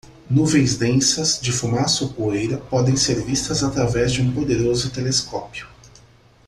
Nuvens densas de fumaça ou poeira podem ser vistas através de um poderoso telescópio.